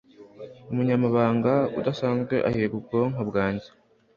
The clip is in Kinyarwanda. Umunyamahanga udasanzwe uhiga ubwonko bwanjye